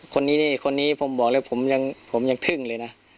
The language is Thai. คนนี้นี่คนนี้ผมบอกเลยผมยังทึ่งเลยนะ